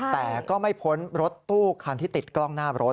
แต่ก็ไม่พ้นรถตู้คันที่ติดกล้องหน้ารถ